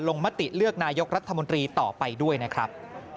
มติเลือกนายกรัฐมนตรีต่อไปด้วยนะครับ